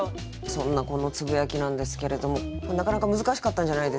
そんなこのつぶやきなんですけれどもなかなか難しかったんじゃないですか？